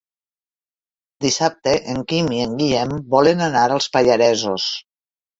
Dissabte en Quim i en Guillem volen anar als Pallaresos.